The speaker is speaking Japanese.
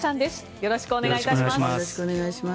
よろしくお願いします。